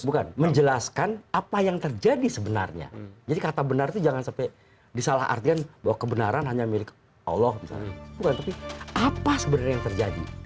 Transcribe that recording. bukan menjelaskan apa yang terjadi sebenarnya jadi kata benar itu jangan sampai disalah artikan bahwa kebenaran hanya milik allah misalnya bukan tapi apa sebenarnya yang terjadi